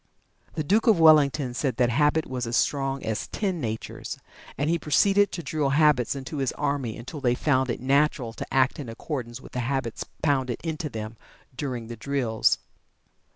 The Duke of Wellington said that habit was as strong as ten natures, and he proceeded to drill habits into his army until they found it natural to act in accordance with the habits pounded into them during the drills.